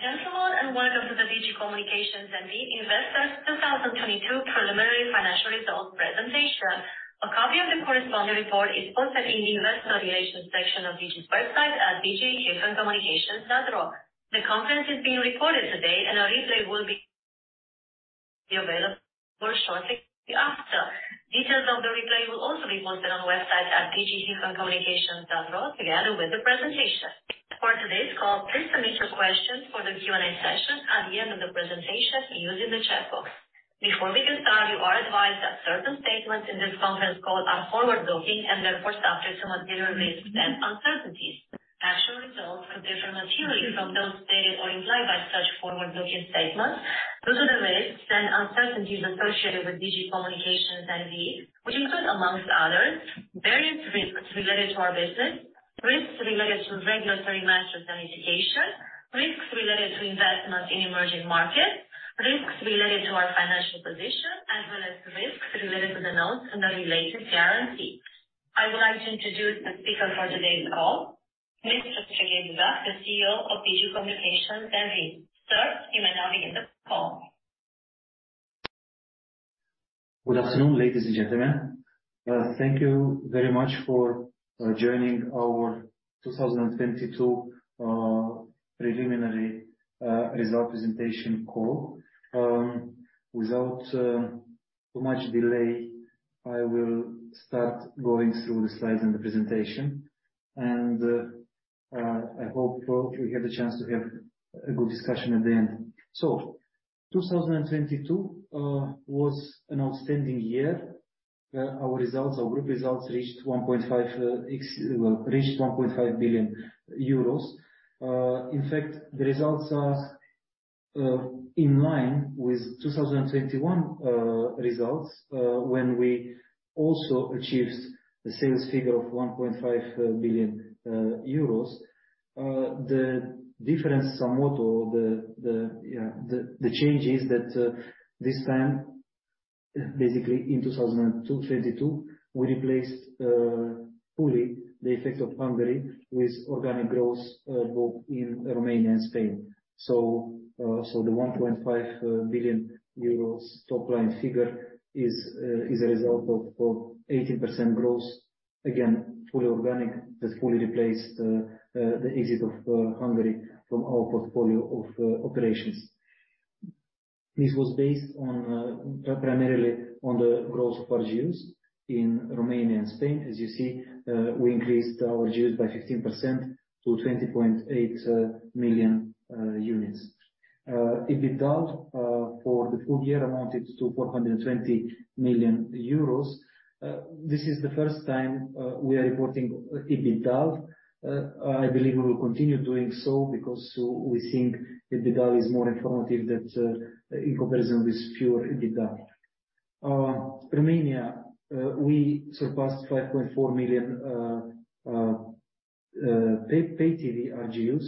Hello, ladies and gentlemen, welcome to the Digi Communications N.V. Investors 2022 preliminary financial results presentation. A copy of the corresponding report is posted in the investor relations section of Digi's website at digi-communications.ro. The conference is being recorded today, a replay will be available shortly after. Details of the replay will also be posted on the website at digi-communications.ro together with the presentation. For today's call, please submit your questions for the Q and A session at the end of the presentation using the chat box. Before we can start, you are advised that certain statements in this conference call are forward-looking and therefore subject to material risks and uncertainties. Actual results could differ materially from those stated or implied by such forward-looking statements due to the risks and uncertainties associated with Digi Communications N.V., which include, amongst others, various risks related to our business, risks related to regulatory matters and litigation, risks related to investments in emerging markets, risks related to our financial position, as well as risks related to the notes and the related guarantees. I would like to introduce the speaker for today's call, Mr. Serghei Bulgac, the CEO of Digi Communications N.V. Sir, you may now begin the call. Good afternoon, ladies and gentlemen. Thank you very much for joining our 2022 preliminary result presentation call. Without too much delay, I will start going through the slides and the presentation and I hope we'll have the chance to have a good discussion at the end. 2022 was an outstanding year. Our results, our group results reached 1.5, well, reached 1.5 billion euros. In fact, the results are in line with 2021 results, when we also achieved the sales figure of 1.5 billion euros. The difference somewhat or the change is that this time, basically in 2022, we replaced fully the effect of Hungary with organic growth both in Romania and Spain. The 1.5 billion euros top line figure is a result of 80% growth. Again, fully organic. That fully replaced the exit of Hungary from our portfolio of operations. This was based on primarily on the growth of RGUs in Romania and Spain. As you see, we increased our RGUs by 15% to 20.8 million units. EBITDA for the full year amounted to 420 million euros. This is the first time we are reporting EBITDA. I believe we will continue doing so because we think EBITDA is more informative that in comparison with pure EBITDA. Romania, we surpassed 5.4 million paid TV RGUs,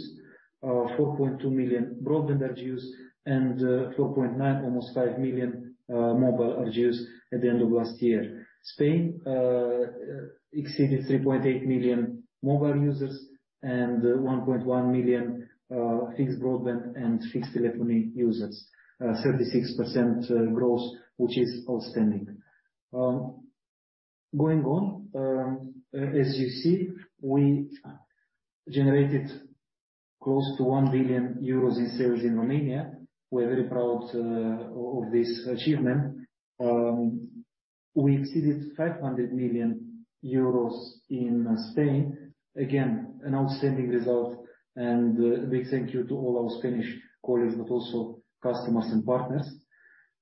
4.2 million broadband RGUs, and 4.9, almost 5 million, mobile RGUs at the end of last year. Spain exceeded 3.8 million mobile users and 1.1 million fixed broadband and fixed telephony users. 36% growth, which is outstanding. Going on, as you see, we generated close to 1 billion euros in sales in Romania. We're very proud of this achievement. We exceeded 500 million euros in Spain. Again, an outstanding result and a big thank you to all our Spanish colleagues, but also customers and partners.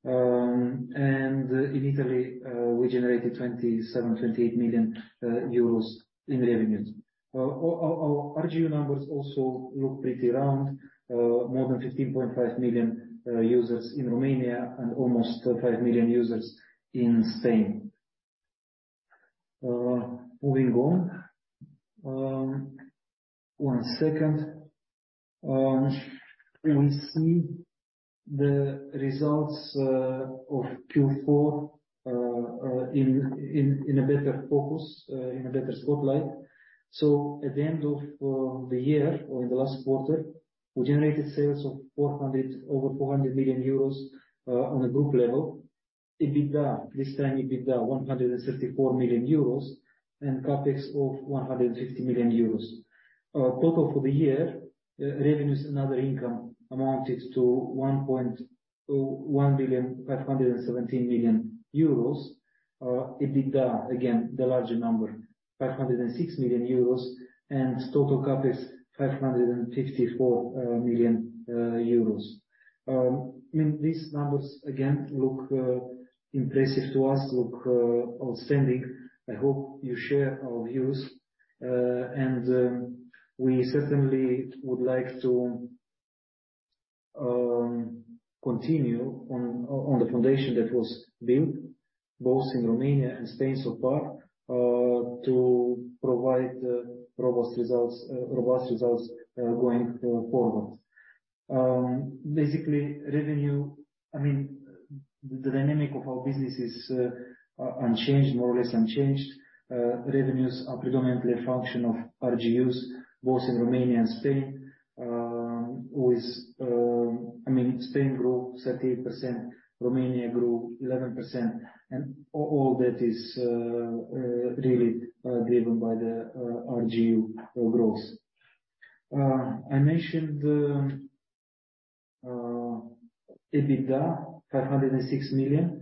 In Italy, we generated 27, 28 million euros in revenues. Our RGU numbers also look pretty round. More than 15.5 million users in Romania and almost 5 million users in Spain. Moving on. One second. We see the results of Q4 in a better focus, in a better spotlight. At the end of the year or in the last quarter, we generated sales of over 400 million euros on a group level. EBITDA, this time EBITDA 134 million euros and CapEx of 160 million euros. Total for the year, revenues and other income amounted to 1,617 million euros. EBITDA, again, the larger number, 506 million euros and total CapEx, 554 million euros. I mean, these numbers, again, look impressive to us, look outstanding. I hope you share our views. We certainly would like to continue on the foundation that was built both in Romania and Spain so far, to provide robust results going forward. Basically revenue. The dynamic of our business is unchanged, more or less unchanged. Revenues are predominantly a function of RGUs, both in Romania and Spain, with I mean, Spain grew 38%, Romania grew 11%. All that is really driven by the RGU growth. I mentioned EBITDA, 506 million,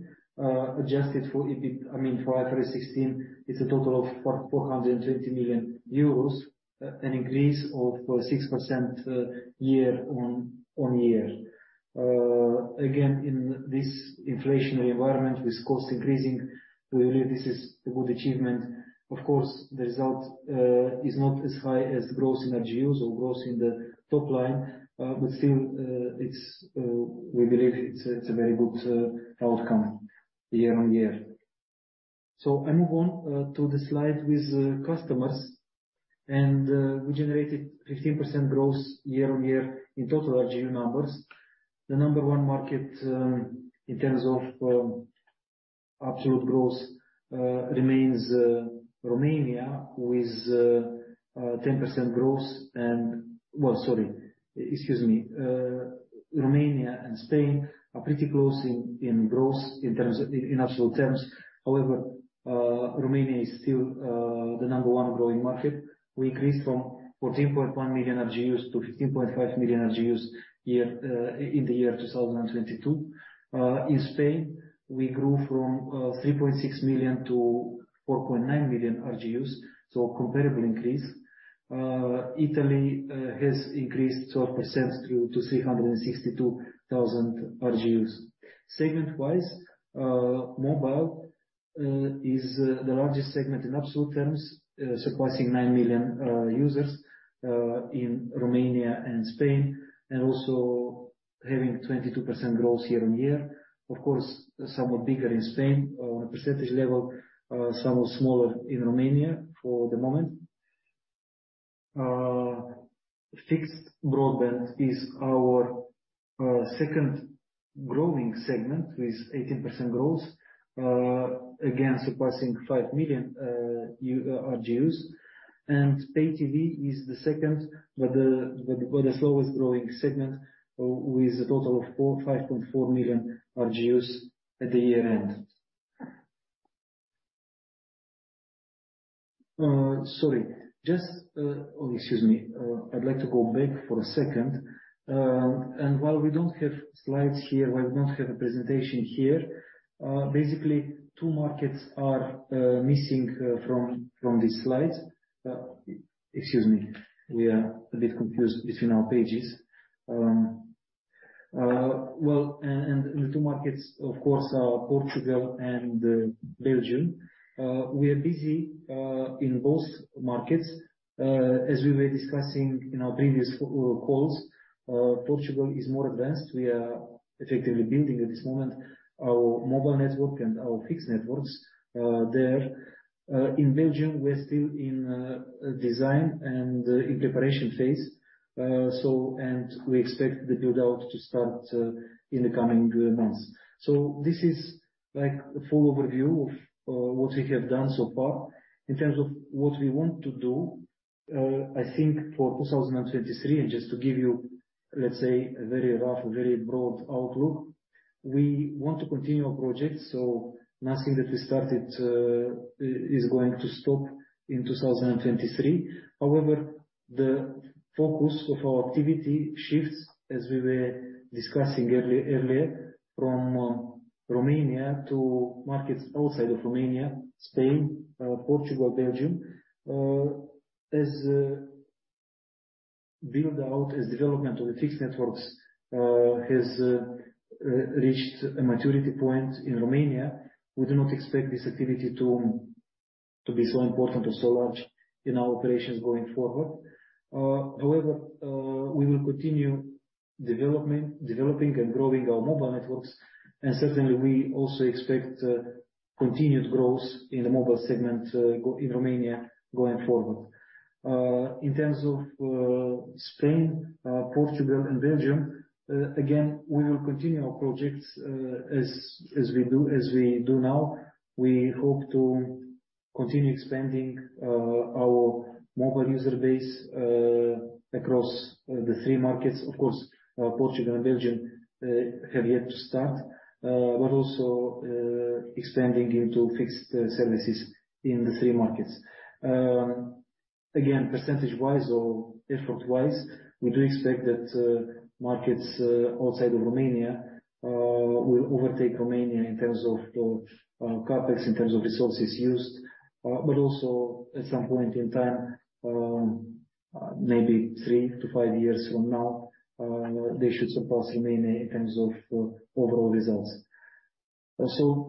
adjusted for. I mean, for IFRS 16, it's a total of 420 million euros, an increase of 6% year-on-year. Again, in this inflationary environment with costs increasing, we believe this is a good achievement. Of course, the result is not as high as the growth in RGUs or growth in the top line, but still, we believe it's a very good outcome year-on-year. I move on to the slide with customers. We generated 15% growth year-on-year in total RGU numbers. The number one market in terms of absolute growth remains Romania with 10% growth. Well, sorry. Excuse me. Romania and Spain are pretty close in growth in absolute terms. Romania is still the number one growing market. We increased from 14.1 million RGUs to 15.5 million RGUs in the year 2022. In Spain, we grew from 3.6 million to 4.9 million RGUs, comparable increase. Italy has increased 12% to 362,000 RGUs. Segment-wise, mobile is the largest segment in absolute terms, surpassing 9 million users in Romania and Spain, and also having 22% growth year-on-year. Of course, somewhat bigger in Spain on a percentage level, somewhat smaller in Romania for the moment. Fixed broadband is our second growing segment with 18% growth, again, surpassing 5 million RGUs. Pay TV is the second but the slowest growing segment with a total of 5.4 million RGUs at the year-end. Sorry, just, Oh, excuse me. I'd like to go back for a second. While we don't have slides here, while we don't have a presentation here, basically two markets are missing from these slides. Excuse me. We are a bit confused between our pages. Well, and the two markets, of course, are Portugal and Belgium. We are busy in both markets. As we were discussing in our previous calls, Portugal is more advanced. We are effectively building at this moment our mobile network and our fixed networks there. In Belgium, we're still in design and in preparation phase. We expect the build-out to start in the coming months. This is, like, a full overview of what we have done so far. In terms of what we want to do, I think for 2023, just to give you, let's say, a very rough, a very broad outlook, we want to continue our projects, nothing that we started is going to stop in 2023. However, the focus of our activity shifts, as we were discussing earlier, from Romania to markets outside of Romania, Spain, Portugal, Belgium. As build-out, as development of the fixed networks, has reached a maturity point in Romania, we do not expect this activity to be so important or so large in our operations going forward. However, we will continue development, developing and growing our mobile networks. Certainly, we also expect continued growth in the mobile segment in Romania going forward. In terms of Spain, Portugal and Belgium, again, we will continue our projects as we do now. We hope to continue expanding our mobile user base across the three markets. Of course, Portugal and Belgium have yet to start, but also expanding into fixed services in the three markets. Again, percentage-wise or effort-wise, we do expect that markets outside of Romania will overtake Romania in terms of CapEx, in terms of resources used, but also at some point in time, maybe three to five years from now, they should surpass Romania in terms of overall results.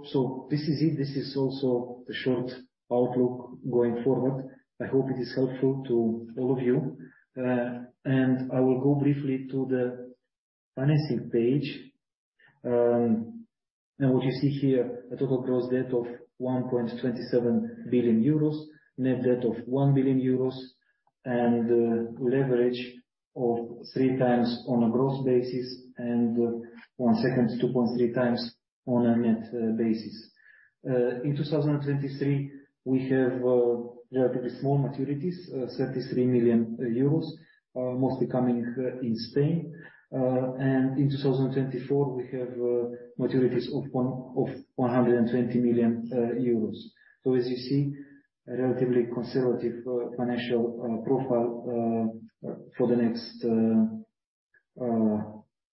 So, this is it. This is also a short outlook going forward. I hope it is helpful to all of you. I will go briefly to the financing page. What you see here, a total gross debt of 1.27 billion euros, net debt of 1 billion euros. Leverage of 3x on a gross basis and 2.3x on a net basis. In 2023, we have relatively small maturities, 33 million euros, mostly coming in Spain. In 2024, we have maturities of 120 million euros. As you see, a relatively conservative financial profile for the next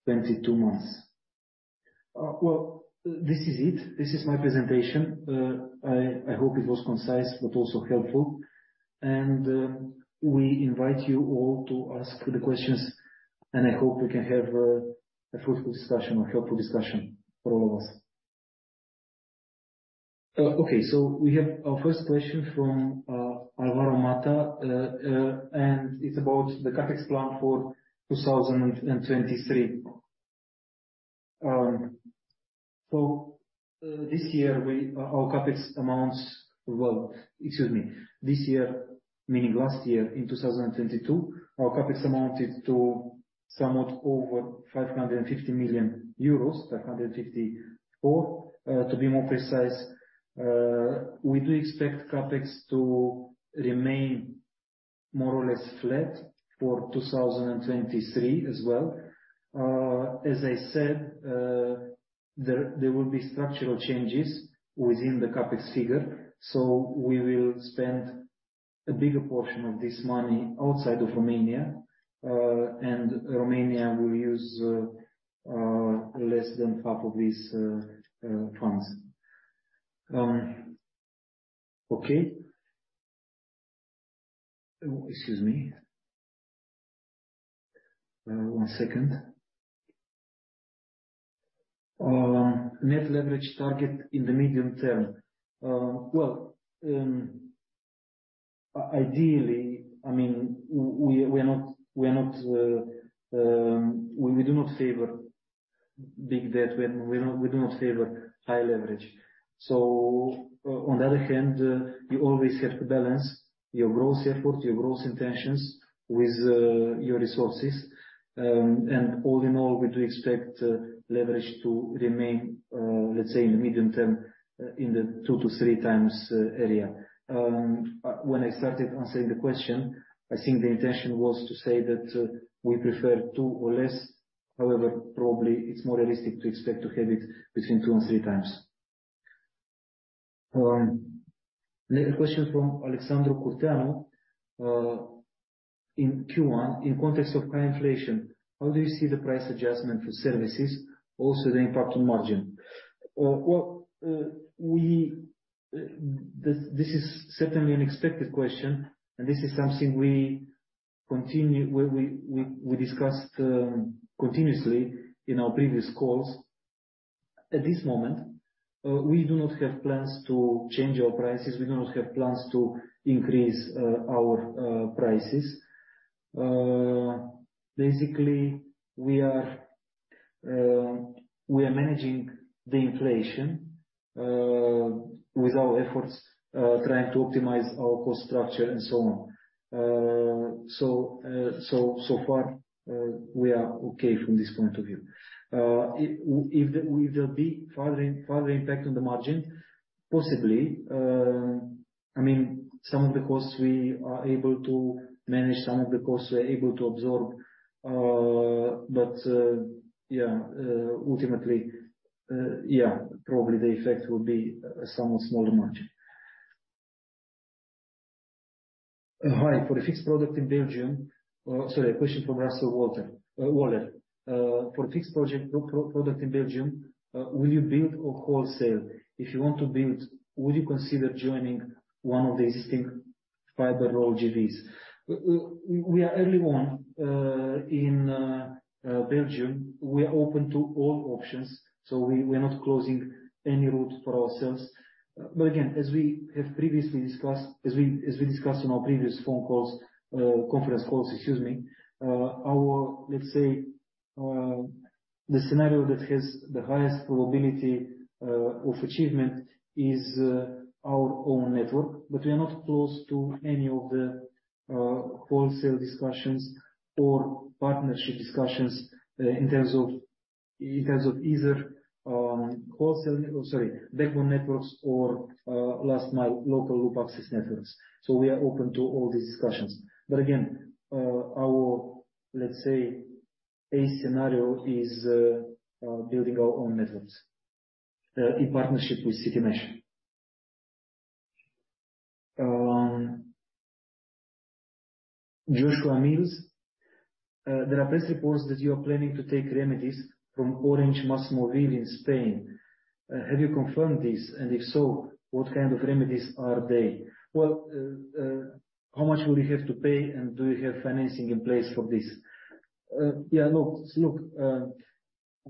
22 months. Well, this is it. This is my presentation. I hope it was concise, but also helpful. We invite you all to ask the questions, and I hope we can have a fruitful discussion or helpful discussion for all of us. We have our first question from Alvaro Mata. It's about the CapEx plan for 2023. This year our CapEx amounts... Excuse me, this year, meaning last year, in 2022, our CapEx amounted to somewhat over 550 million euros, 554 million to be more precise. We do expect CapEx to remain more or less flat for 2023 as well. As I said, there will be structural changes within the CapEx figure, we will spend a bigger portion of this money outside of Romania. Romania will use less than half of these funds. Okay. Excuse me. One second. Net leverage target in the medium term. Well, ideally, I mean, we're not, we do not favor big debt. We do not favor high leverage. On the other hand, you always have to balance your growth efforts, your growth intentions with your resources. All in all, we do expect leverage to remain, let's say in the medium term, in the 2x to 3x area. When I stared answering the question, I think the intention was to say that we prefer two or less. However, probably it's more realistic to expect to have it between two and 3x. Another question from Alessandro Cortano. In Q1, in context of high inflation, how do you see the price adjustment for services, also the impact on margin? Well, this is certainly an expected question, and this is something we discussed continuously in our previous calls. At this moment, we do not have plans to change our prices. We do not have plans to increase our prices. Basically, we are managing the inflation with our efforts, trying to optimize our cost structure and so on. So far, we are okay from this point of view. If there be further impact on the margin, possibly. I mean, some of the costs we are able to manage, some of the costs we're able to absorb. Yeah, ultimately, yeah, probably the effect will be a somewhat smaller margin. Hi. For a fixed product in Belgium. Sorry, a question from Russell Waller. For fixed product in Belgium, will you build or wholesale? If you want to build, would you consider joining one of the existing fiber roll JVs? We are early on in Belgium. We are open to all options, we're not closing any route for ourselves. Again, as we have previously discussed, as we discussed on our previous phone calls, conference calls, excuse me, our, let's say, the scenario that has the highest probability of achievement is our own network. We are not closed to any of the wholesale discussions or partnership discussions in terms of either, oh, sorry, backbone networks or last mile local loop access networks. We are open to all these discussions. Again, our, let's say, A scenario is building our own networks in partnership with Citymesh. Joshua Mills. There are press reports that you are planning to take remedies from Orange MásMóvil in Spain. Have you confirmed this? If so, what kind of remedies are they? Well, how much will you have to pay, and do you have financing in place for this? Look, look,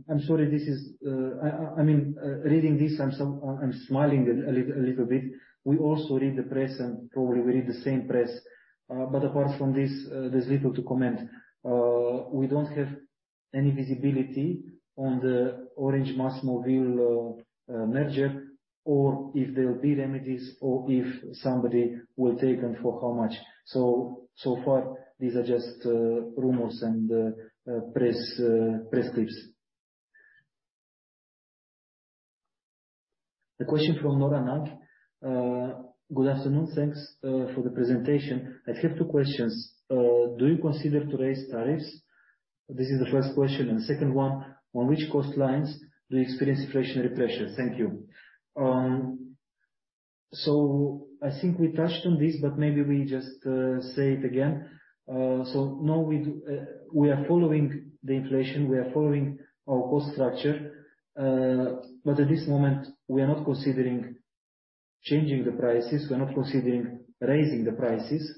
I'm sorry this is. I mean, reading this, I'm smiling a little bit. We also read the press, probably we read the same press. Apart from this, there's little to comment. We don't have any visibility on the Orange-MásMóvil merger, or if there'll be remedies or if somebody will take and for how much. So far, these are just rumors and press clips. A question from Nora Nagy. Good afternoon. Thanks for the presentation. I have two questions. Do you consider to raise tariffs? This is the first question, and second one, on which cost lines do you experience inflationary pressure? Thank you. I think we touched on this, but maybe we just say it again. No, we are following the inflation. We are following our cost structure. At this moment, we are not considering changing the prices. We're not considering raising the prices.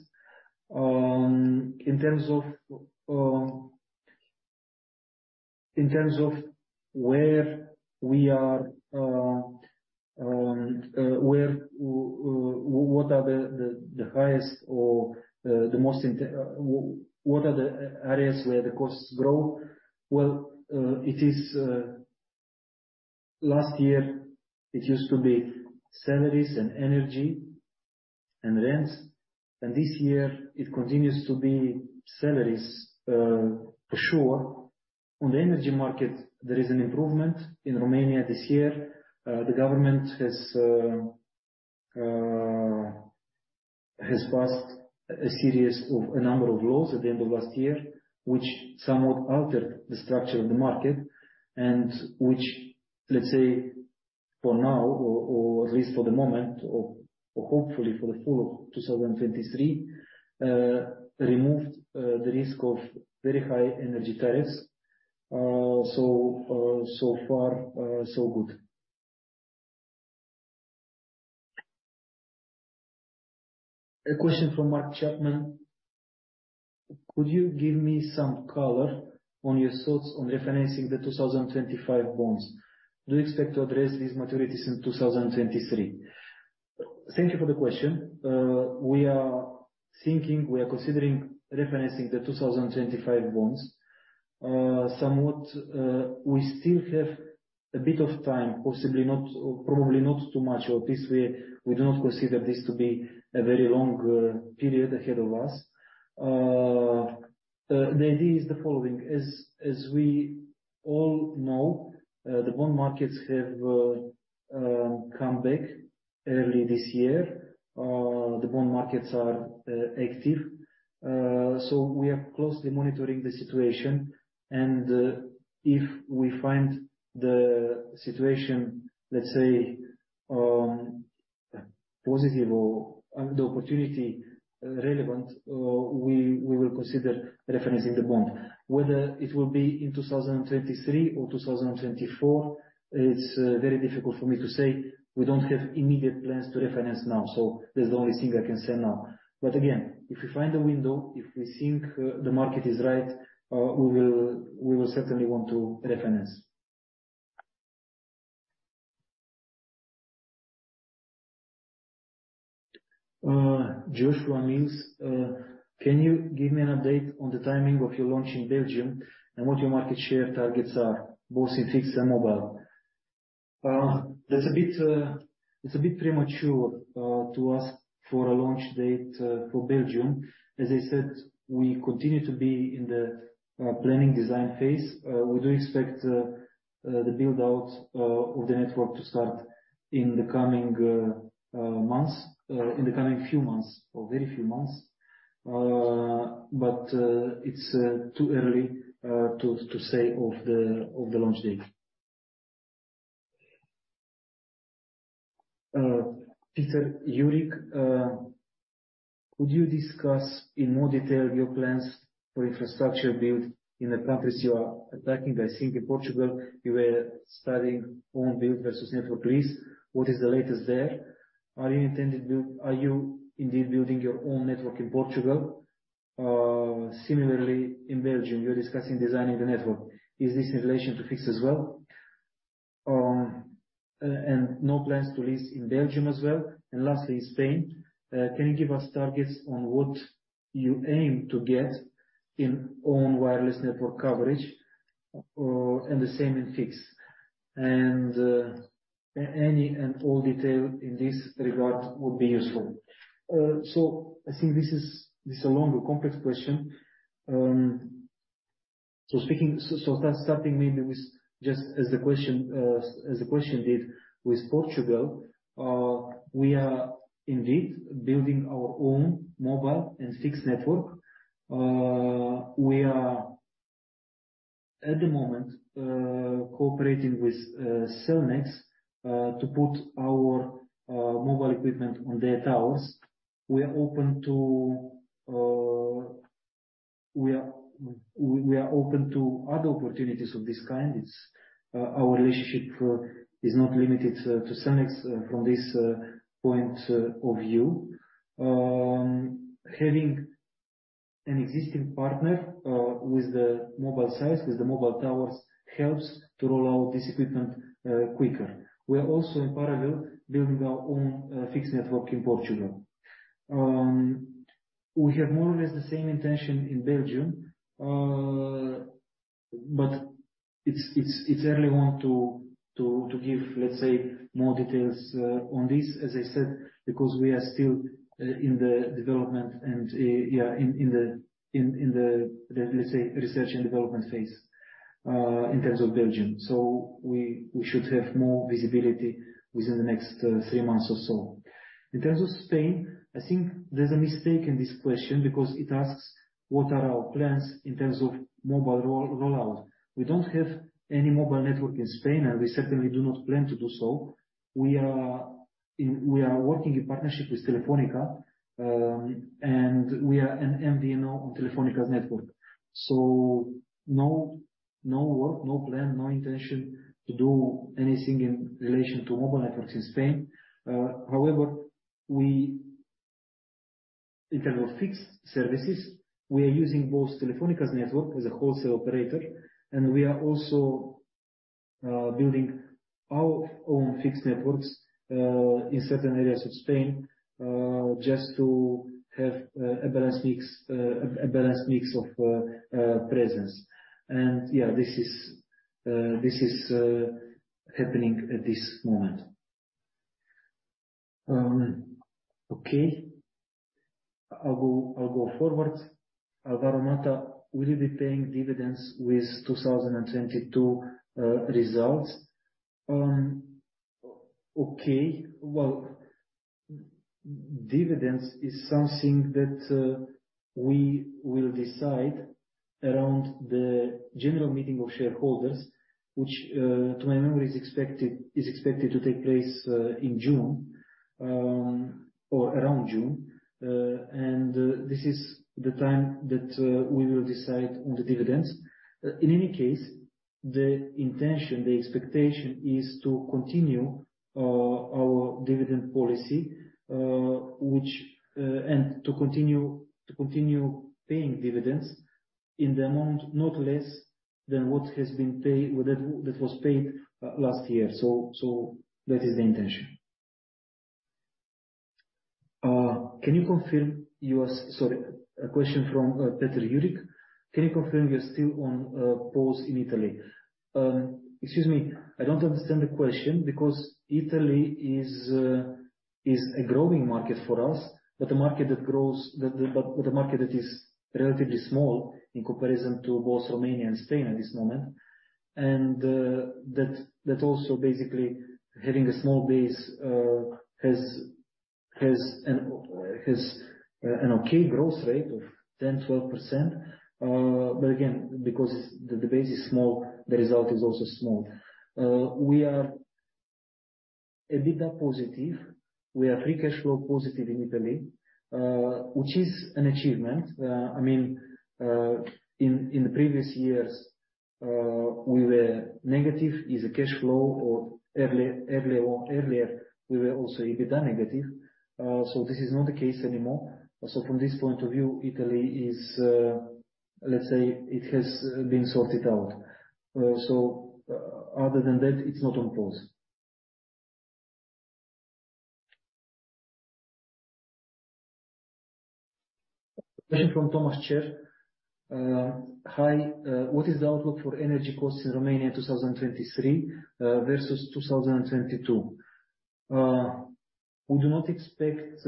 In terms of, in terms of where we are, where what are the areas where the costs grow? Well, last year, it used to be salaries and energy and rents, and this year it continues to be salaries for sure. On the energy market, there is an improvement in Romania this year. The government has passed a series of a number of laws at the end of last year, which somewhat altered the structure of the market and which, let's say, for now or at least for the moment or hopefully for the full of 2023, removed the risk of very high energy tariffs. Far, so good. A question from Mark Chapman. Could you give me some color on your thoughts on refinancing the 2025 bonds? Do you expect to address these maturities in 2023? Thank you for the question. We are thinking, we are considering refinancing the 2025 bonds. Somewhat, we still have a bit of time, possibly not or probably not too much of this. We do not consider this to be a very long period ahead of us. The idea is the following: as we all know, the bond markets have come back early this year. The bond markets are active. We are closely monitoring the situation, and if we find the situation, let's say, positive or, and the opportunity relevant, we will consider refinancing the bond. Whether it will be in 2023 or 2024, it's very difficult for me to say. We don't have immediate plans to refinance now, that's the only thing I can say now. Again, if we find a window, if we think the market is right, we will certainly want to refinance. Joshua Mills. Can you give me an update on the timing of your launch in Belgium and what your market share targets are, both in fixed and mobile? That's a bit, it's a bit premature to ask for a launch date for Belgium. As I said, we continue to be in the planning design phase. We do expect the build-out of the network to start in the coming months, in the coming few months or very few months. It's too early to say of the launch date. Peter Jurik. Could you discuss in more detail your plans for infrastructure build in the countries you are attacking? I think in Portugal you were studying own build versus network lease. What is the latest there? Are you indeed building your own network in Portugal? Similarly, in Belgium, you're discussing designing the network. Is this in relation to fixed as well? No plans to lease in Belgium as well. Lastly, Spain. Can you give us targets on what you aim to get in own wireless network coverage and the same in fixed? Any and all detail in this regard would be useful. I think this is a long and complex question. Speaking... Starting maybe with just as the question, as the question did with Portugal, we are indeed building our own mobile and fixed network. We are at the moment cooperating with Cellnex to put our mobile equipment on their towers. We are open to other opportunities of this kind. Our relationship is not limited to Cellnex from this point of view. Having an existing partner with the mobile sites, with the mobile towers, helps to roll out this equipment quicker. We are also in parallel building our own fixed network in Portugal. We have more or less the same intention in Belgium. It's early on to give, let's say, more details on this, as I said, because we are still in the development and in the let's say research and development phase in terms of Belgium. We should have more visibility within the next three months or so. In terms of Spain, I think there's a mistake in this question because it asks what are our plans in terms of mobile rollout. We don't have any mobile network in Spain, and we certainly do not plan to do so. We are working in partnership with Telefónica, and we are an MVNO on Telefónica's network. No, no work, no plan, no intention to do anything in relation to mobile networks in Spain. However, we in terms of fixed services, we are using both Telefónica's network as a wholesale operator, and we are also building our own fixed networks in certain areas of Spain just to have a balanced mix of presence. Yeah, this is happening at this moment. Okay. I'll go forward. Alvaro Mata, "Will you be paying dividends with 2022 results?" Okay. Well, dividends is something that we will decide around the general meeting of shareholders, which to my memory is expected to take place in June or around June. This is the time that we will decide on the dividends. In any case, the intention, the expectation is to continue our dividend policy, which and to continue paying dividends in the amount not less than what has been paid last year. That is the intention. Can you confirm you are... Sorry. A question from Peter Jurik. Can you confirm you're still on pause in Italy? Excuse me, I don't understand the question because Italy is a growing market for us, but a market that grows, but a market that is relatively small in comparison to both Romania and Spain at this moment. That also basically having a small base has an okay growth rate of 10%-12%. But again, because the base is small, the result is also small. We are EBITDA positive. We are free cash flow positive in Italy, which is an achievement. In the previous years, we were negative is a cash flow or earlier on earlier we were also EBITDA negative. This is not the case anymore. From this point of view, Italy is, let's say it has been sorted out. Other than that, it's not on pause. Question from Thomas Shorr. Hi. What is the outlook for energy costs in Romania in 2023 versus 2022? We do not expect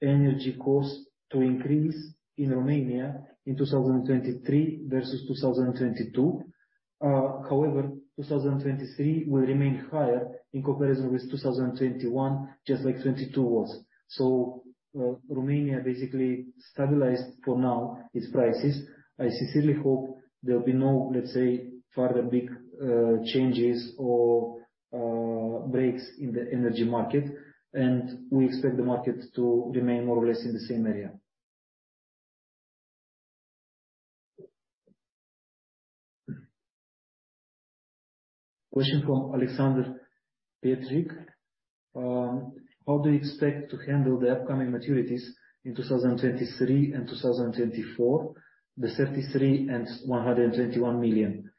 energy costs to increase in Romania in 2023 versus 2022. However, 2023 will remain higher in comparison with 2021, just like 2022 was. Romania basically stabilized for now its prices. I sincerely hope there'll be no, let's say, further big changes or breaks in the energy market. We expect the market to remain more or less in the same area. Question from Alexander Petrik. How do you expect to handle the upcoming maturities in 2023 and 2024? The 33 million and 121 million.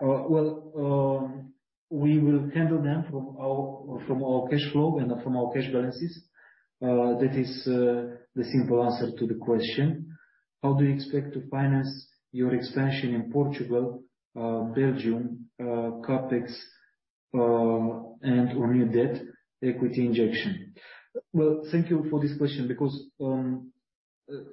Well, we will handle them from our, from our cash flow and from our cash balances. That is the simple answer to the question. How do you expect to finance your expansion in Portugal, Belgium, CapEx, and/or new debt equity injection? Thank you for this question because, in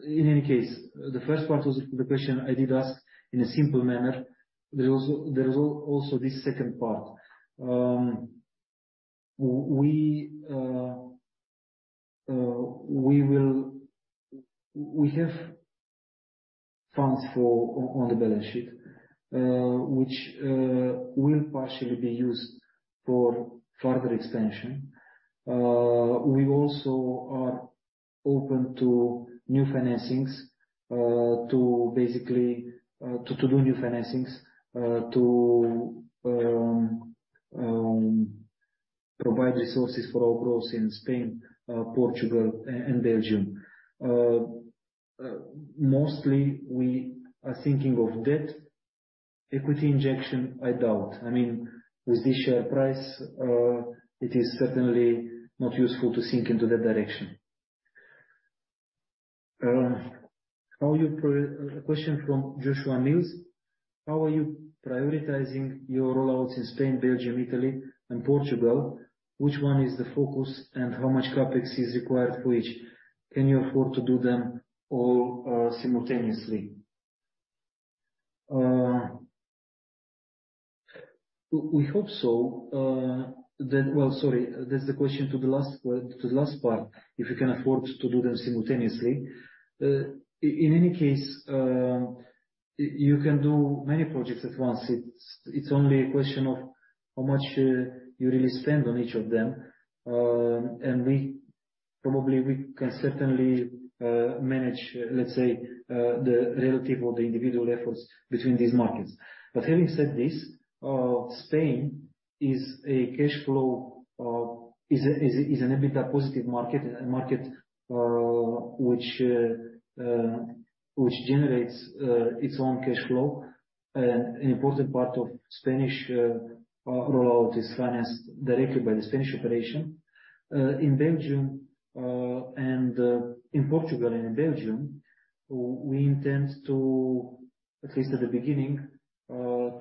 any case, the first part of the question I did ask in a simple manner. There's also this second part. We have funds on the balance sheet, which will partially be used for further expansion. We also are open to new financings, to basically do new financings, to provide resources for our growth in Spain, Portugal, and Belgium. Mostly we are thinking of debt. Equity injectioi, I doubt. I mean, with the share price, it is certainly not useful to think into that direction. A question from Joshua Mills. How are you prioritizing your rollouts in Spain, Belgium, Italy and Portugal? Which one is the focus and how much CapEx is required for each? Can you afford to do them all simultaneously? We hope so that... Well, sorry, that's the question to the last one, to the last part, if you can afford to do them simultaneously. In any case, you can do many projects at once. It's only a question of how much you really spend on each of them. We probably, we can certainly manage, let's say, the relative or the individual efforts between these markets. Having said this, Spain is a cash flow, is an EBITDA positive market, a market which generates its own cash flow. An important part of Spanish rollout is financed directly by the Spanish operation. In Belgium, in Portugal and in Belgium, we intend to, at least at the beginning,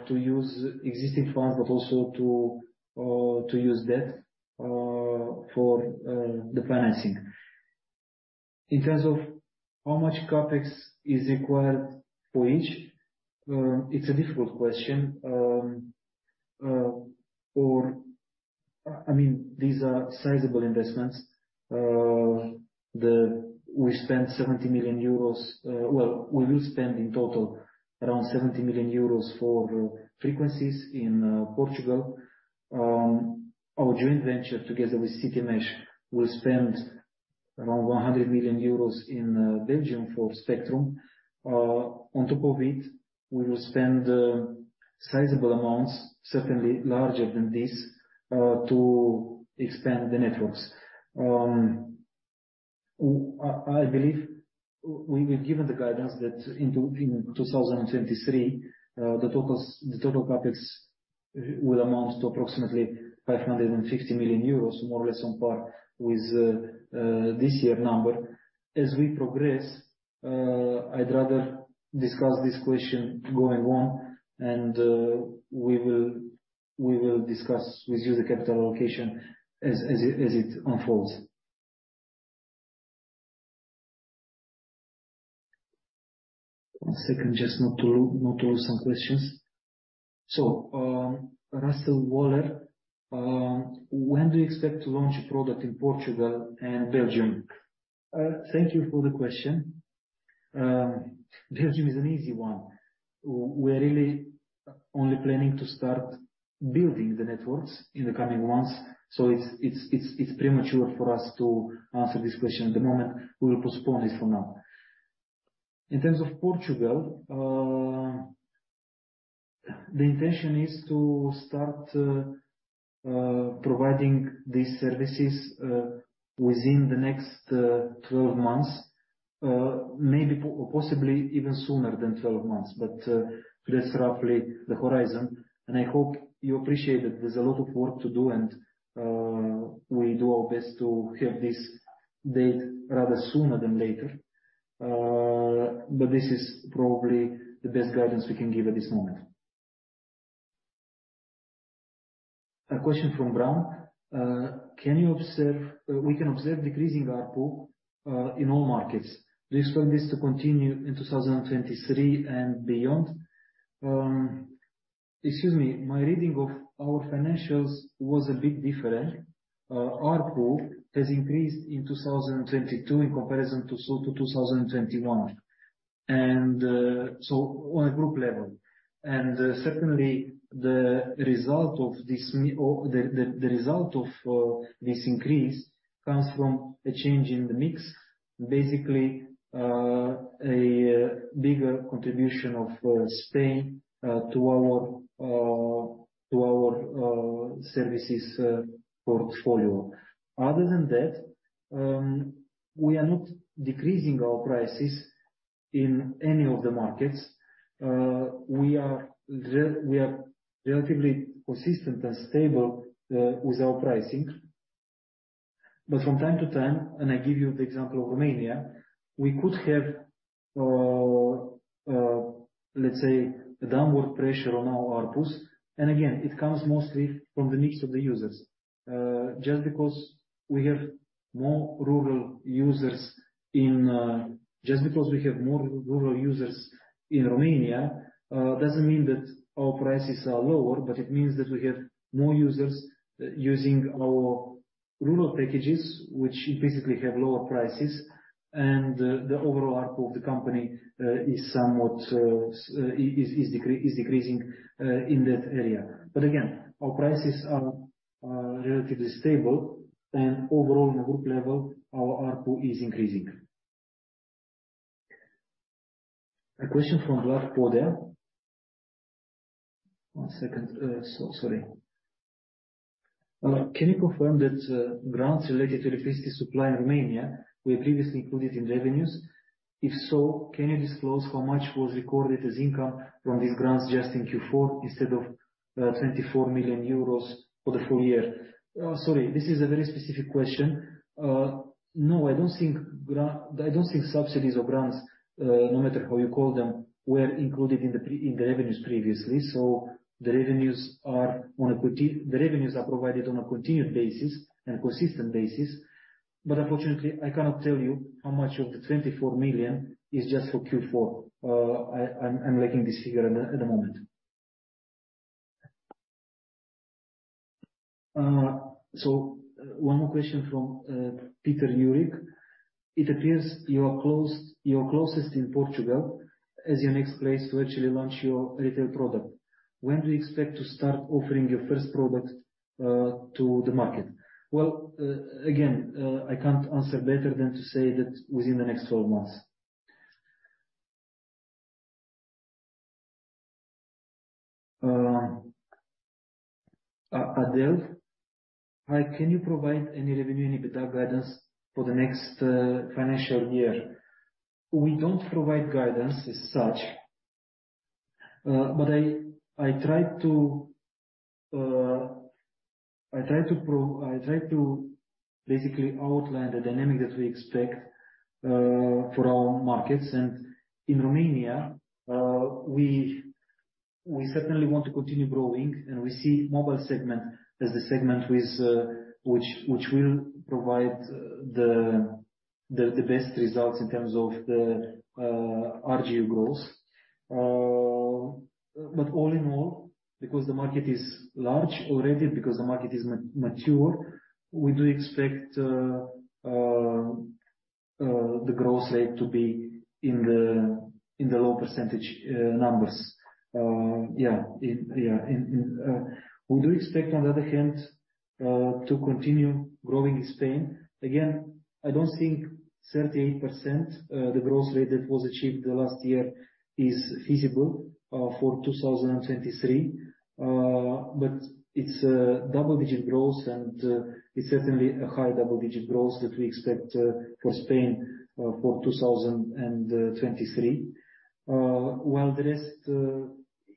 to use existing funds, but also to use debt for the financing. In terms of how much CapEx is required for each, it's a difficult question. I mean, these are sizable investments. We spent 70 million euros, well, we will spend in total around 70 million euros for frequencies in Portugal. Our joint venture together with Citymesh will spend around 100 million euros in Belgium for spectrum. On top of it, we will spend sizable amounts, certainly larger than this, to expand the networks. I believe we've given the guidance that in 2023, the total CapEx will amount to approximately 550 million euros, more or less on par with this year number. As we progress, I'd rather discuss this question going on and we will discuss with you the capital allocation as it unfolds. One second, just not to lose some questions. Russell Waller, when do you expect to launch a product in Portugal and Belgium? Thank you for the question. Belgium is an easy one. We're really only planning to start building the networks in the coming months, so it's premature for us to answer this question at the moment. We will postpone this for now. In terms of Portugal, the intention is to start providing these services within the next 12 months, maybe possibly even sooner than 12 months. That's roughly the horizon, and I hope you appreciate that there's a lot of work to do, and we do our best to have this date rather sooner than later. This is probably the best guidance we can give at this moment. A question from Brown. We can observe decreasing ARPU in all markets. Do you expect this to continue in 2023 and beyond? Excuse me. My reading of our financials was a bit different. ARPU has increased in 2022 in comparison to 2021 and so on a group level. Certainly, the result of this, or the result of this increase comes from a change in the mix, basically, a bigger contribution of Spain to our to our services portfolio. Other than that, we are not decreasing our prices in any of the markets. We are relatively consistent and stable with our pricing. But from time to time, and I give you the example of Romania, we could have, let's say, a downward pressure on our ARPUs. Again, it comes mostly from the mix of the users. Just because we have more rural users in Romania, doesn't mean that our prices are lower, but it means that we have more users using our rural packages, which basically have lower prices, and the overall ARPU of the company is somewhat decreasing in that area. Again, our prices are relatively stable and overall in the group level, our ARPU is increasing. A question from Vlad Podea. One second. Sorry. Can you confirm that grants related to electricity supply in Romania were previously included in revenues? If so, can you disclose how much was recorded as income from these grants just in Q4 instead of 24 million euros for the full year? Sorry, this is a very specific question. No, I don't think. I don't think subsidies or grants, no matter how you call them, were included in the revenues previously. The revenues are provided on a continued basis and consistent basis. Unfortunately, I cannot tell you how much of the 24 million is just for Q4. I'm lacking this figure at the moment. One more question from Peter Juric. It appears you are closest in Portugal as your next place to actually launch your retail product. When do you expect to start offering your first product to the market? Well, again, I can't answer better than to say that within the next 12 months. Adel. Hi, can you provide any revenue EBITDA guidance for the next financial year? We don't provide guidance as such. I try to basically outline the dynamic that we expect for our markets. In Romania, we certainly want to continue growing, and we see mobile segment as the segment with which will provide the, the best results in terms of the RGU growth. All in all, because the market is large already, because the market is mature, we do expect the growth rate to be in the low % numbers. We do expect, on the other hand, to continue growing in Spain. Again, I don't think 38%, the growth rate that was achieved the last year is feasible for 2023. But it's a double-digit growth, and it's certainly a high double-digit growth that we expect for Spain for 2023. While the rest,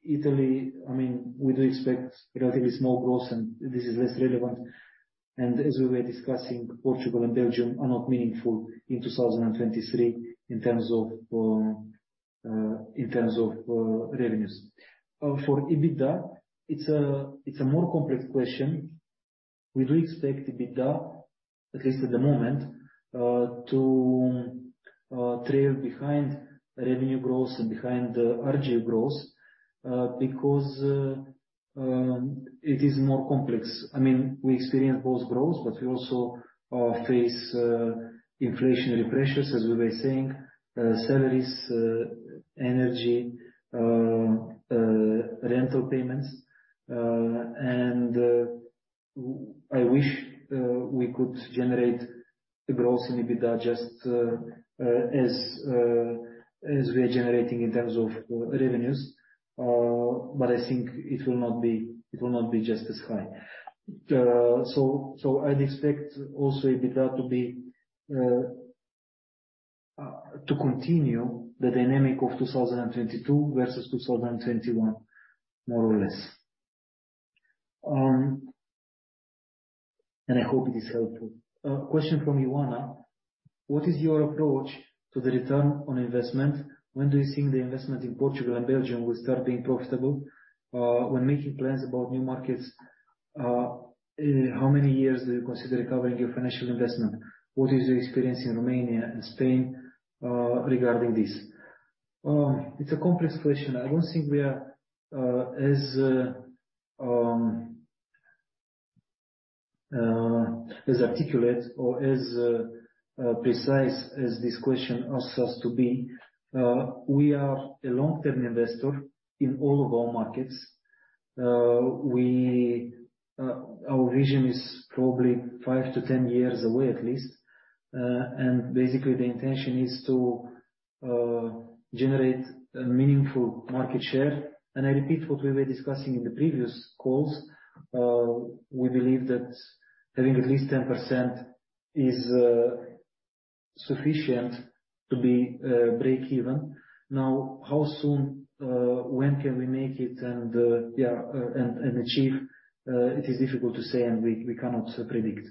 Italy, I mean, we do expect relatively small growth, and this is less relevant. As we were discussing, Portugal and Belgium are not meaningful in 2023 in terms of revenues. For EBITDA, it's a more complex question. We do expect EBITDA, at least at the moment, to trail behind revenue growth and behind the RGU growth because it is more complex. I mean, we experience both growth, but we also face inflationary pressures, as we were saying, salaries, energy, rental payments. I wish we could generate the growth in EBITDA just as we are generating in terms of revenues. I think it will not be, it will not be just as high. I'd expect also EBITDA to be to continue the dynamic of 2022 versus 2021, more or less. I hope it is helpful. A question from Ioana. What is your approach to the return on investment? When do you think the investment in Portugal and Belgium will start being profitable? When making plans about new markets, how many years do you consider recovering your financial investment? What is your experience in Romania and Spain regarding this? It's a complex question. I don't think we are as articulate or as precise as this question asks us to be. We are a long-term investor in all of our markets. We, our vision is probably five-10 years away at least. Basically the intention is to generate a meaningful market share. I repeat what we were discussing in the previous calls. We believe that having at least 10% is sufficient to be breakeven. Now, how soon, when can we make it and achieve it is difficult to say, and we cannot predict.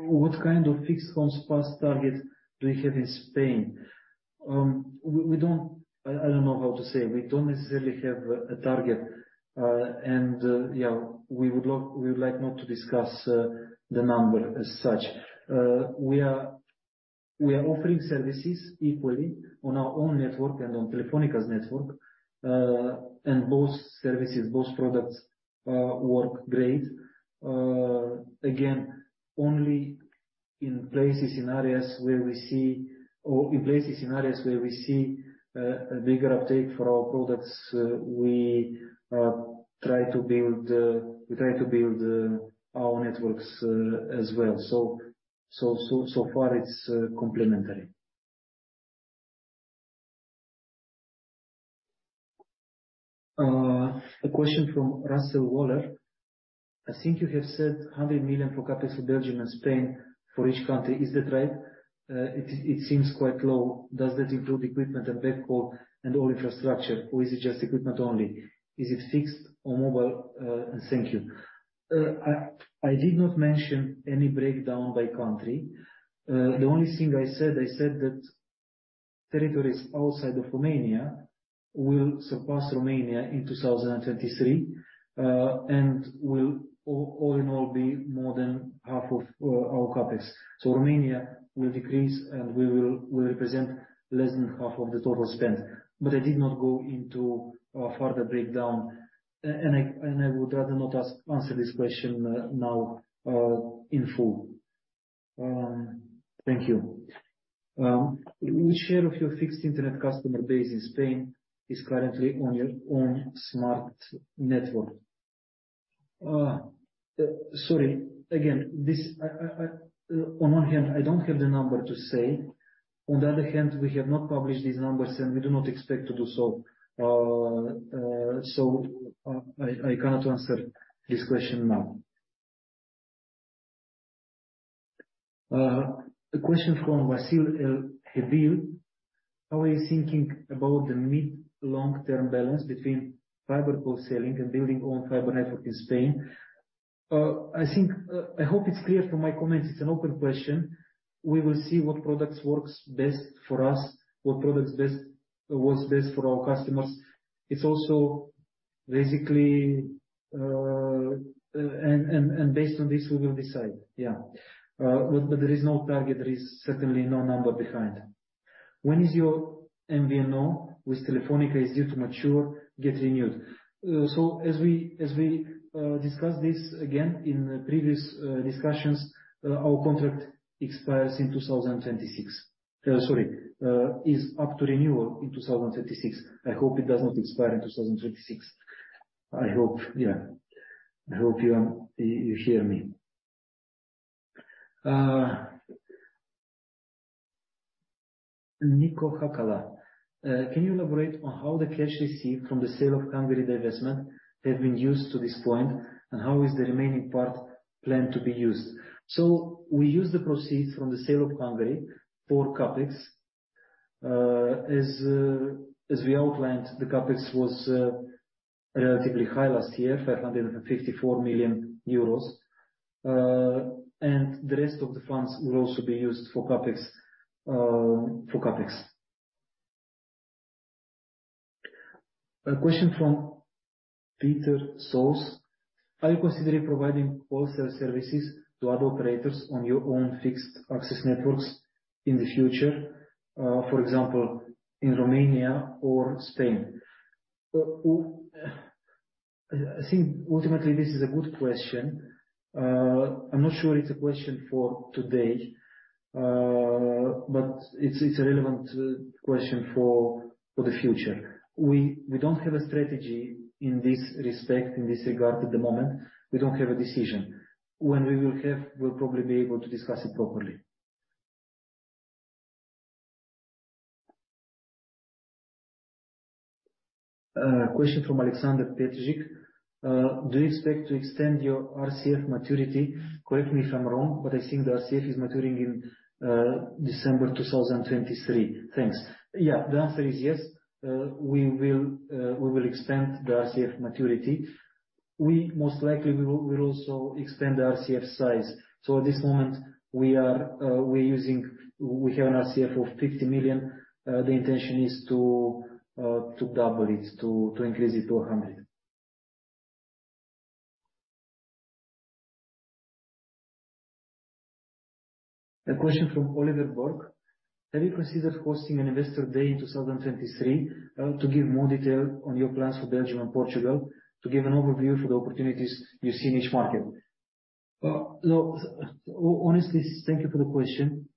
What kind of fixed contract target do you have in Spain? We don't... I don't know how to say. We don't necessarily have a target. Yeah, we would like not to discuss the number as such. We are offering services equally on our own network and on Telefónica's network. Both services, both products work great. Again, only in places in areas where we see, or in places in areas where we see a bigger uptake for our products, we try to build our networks as well. Far it's complementary. A question from Russell Waller. I think you have said 100 million for CapEx in Belgium and Spain for each country. Is that right? It seems quite low. Does that include equipment and backhaul and all infrastructure, or is it just equipment only? Is it fixed or mobile? Thank you. I did not mention any breakdown by country. The only thing I said that territories outside of Romania will surpass Romania in 2023, and will all in all be more than half of our CapEx. Romania will decrease, and we will represent less than half of the total spend. I did not go into further breakdown. And I would rather not answer this question now in full. Thank you. Which share of your fixed internet customer base in Spain is currently on your own smart network? Sorry. Again, this I On one hand, I don't have the number to say. On the other hand, we have not published these numbers, and we do not expect to do so. I cannot answer this question now. A question from Wasil El-Habib. How are you thinking about the mid-long term balance between fiber wholesaling and building own fiber network in Spain? I think I hope it's clear from my comments, it's an open question. We will see what products works best for us, what products best works best for our customers. It's also basically. Based on this, we will decide. Yeah. There is no target. There is certainly no number behind. When is your MVNO with Telefónica is due to mature get renewed? As we discussed this again in the previous discussions, our contract expires in 2026. Sorry, is up to renewal in 2036. I hope it does not expire in 2036. I hope. I hope you hear me. Nico Hakala. Can you elaborate on how the cash received from the sale of Hungary divestment have been used to this point, and how is the remaining part planned to be used? We use the proceeds from the sale of Hungary for CapEx. As we outlined, the CapEx was relatively high last year, 554 million euros. The rest of the funds will also be used for CapEx. A question from Piotr Raciborski. Are you considering providing wholesale services to other operators on your own fixed access networks in the future, for example, in Romania or Spain? I think ultimately this is a good question. I'm not sure it's a question for today, but it's a relevant question for the future. We don't have a strategy in this respect, in this regard at the moment. We don't have a decision. When we will have, we'll probably be able to discuss it properly. Question from Alexander Petrzik. Do you expect to extend your RCF maturity? Correct me if I'm wrong, but I think the RCF is maturing in December 2023. Thanks. Yeah. The answer is yes. We will extend the RCF maturity. We most likely will also extend the RCF size. At this moment we have an RCF of 50 million. The intention is to double it, to increase it to 100 million. A question from Oliver Borg. Have you considered hosting an investor day in 2023, to give more detail on your plans for Belgium and Portugal to give an overview for the opportunities you see in each market? No. Honestly, thank you for the question.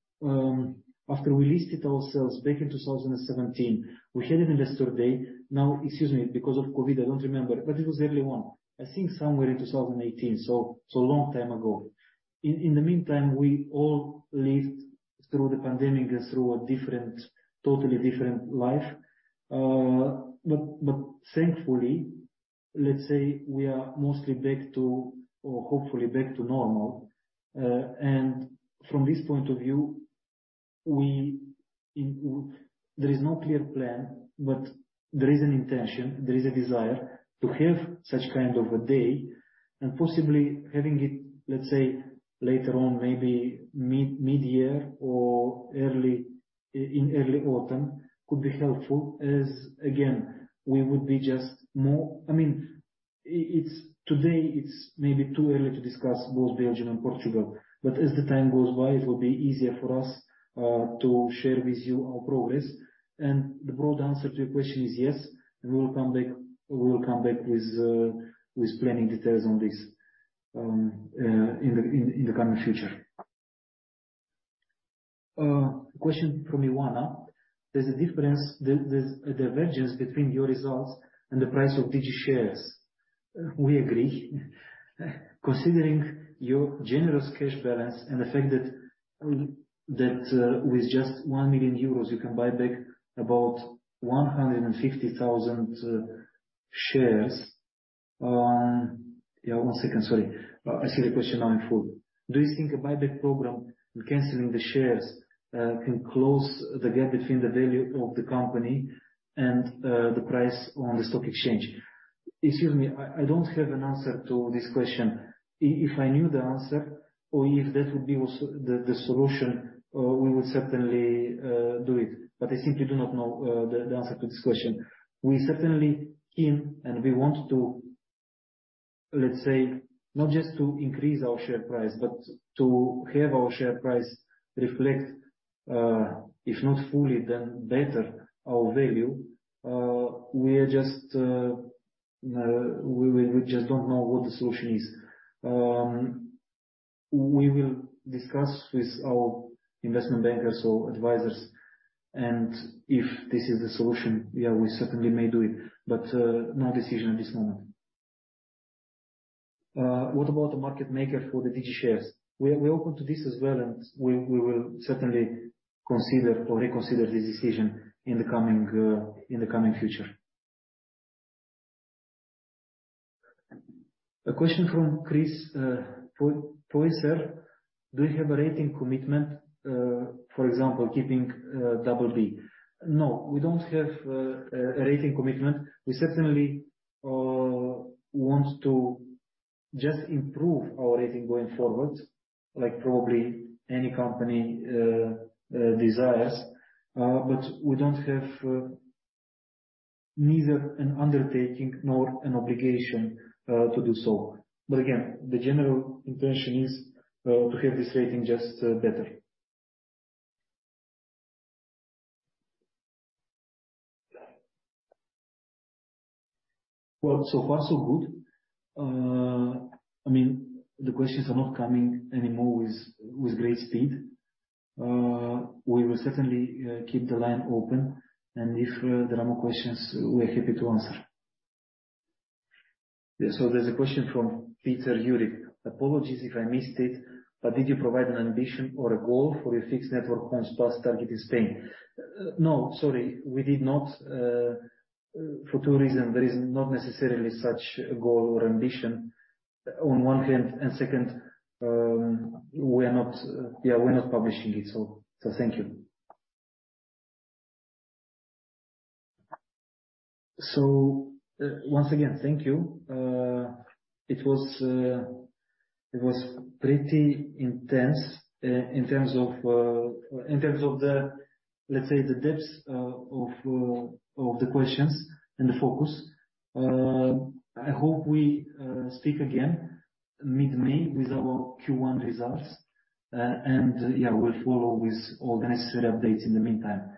After we listed ourselves back in 2017, we had an investor day. Now, excuse me, because of COVID, I don't remember, but it was early on, I think somewhere in 2018, so long time ago. In the meantime, we all lived through the pandemic and through a different, totally different life. Thankfully, let's say we are mostly back to, or hopefully back to normal. From this point of view, there is no clear plan, but there is an intention, there is a desire to have such kind of a day and possibly having it, let's say, later on, maybe mid-year or early in early autumn could be helpful as again, we would be just more. I mean, today it's maybe too early to discuss both Belgium and Portugal, but as the time goes by, it will be easier for us to share with you our progress. The broad answer to your question is yes, we will come back. We will come back with planning details on this in the coming future. Question from Ioana. There's a difference, there's a divergence between your results and the price of DG shares. We agree. Considering your generous cash balance and the fact that with just 1 million euros you can buy back about 150,000 shares. Yeah, one second, sorry. I see the question now in full. Do you think a buyback program and canceling the shares can close the gap between the value of the company and the price on the stock exchange? Excuse me. I don't have an answer to this question. If I knew the answer or if that would be also the solution, we would certainly do it, but I simply do not know the answer to this question. We certainly can and we want to, let's say, not just to increase our share price, but to have our share price reflect if not fully then better our value. We are just, we just don't know what the solution is. We will discuss with our investment bankers or advisors, and if this is the solution, yeah, we certainly may do it, but no decision at this moment. What about the market maker for the Digi shares? We are open to this as well, and we will certainly consider or reconsider this decision in the coming in the coming future. A question from Cristian Popescu: Do you have a rating commitment, for example, keeping BB? No, we don't have a rating commitment. We certainly want to just improve our rating going forward, like probably any company desires. We don't have neither an undertaking nor an obligation to do so. Again, the general intention is to have this rating just better. So far so good. I mean, the questions are not coming anymore with great speed. We will certainly keep the line open, and if there are more questions, we are happy to answer. Yeah. There's a question from Peter Yurik: Apologies if I missed it, but did you provide an ambition or a goal for your fixed network homes passed target in Spain? No, sorry. We did not for two reasons. There is not necessarily such a goal or ambition on one hand, and second, we are not, yeah, we're not publishing it. Thank you. Once again, thank you. Uh, it was, uh, it was pretty intense i-in terms of, uh, in terms of the, let's say, the depths, uh, of, uh, of the questions and the focus. Uh, I hope we, uh, speak again mid-May with our Q1 results. Uh, and yeah, we'll follow with all the necessary updates in the meantime.